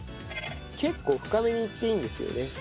結構深めにいっていいんですよね。